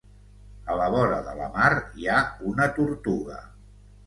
A la vora de la mar hi ha una tortuga.